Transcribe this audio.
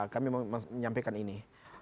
kami menyampaikan ini